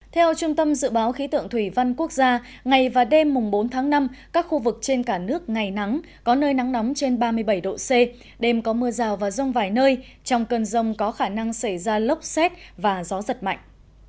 theo trung tâm dự báo khí tượng thủy văn quốc gia ngày và đêm bốn tháng năm các khu vực trên cả nước ngày nắng có nơi nắng nóng trên ba mươi bảy độ c đêm có mưa rào và rông vài nơi trong cơn rông có khả năng xảy ra lốc xét và gió giật mạnh